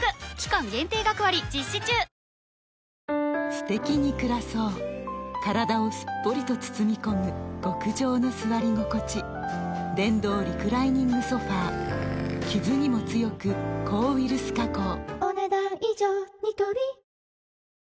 すてきに暮らそう体をすっぽりと包み込む極上の座り心地電動リクライニングソファ傷にも強く抗ウイルス加工お、ねだん以上。